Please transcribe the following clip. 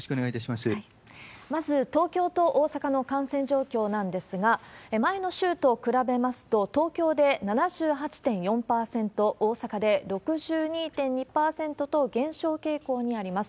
まず、東京と大阪の感染状況なんですが、前の週と比べますと、東京で７８．４％、大阪で６２．２％と、減少傾向にあります。